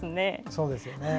そうですよね。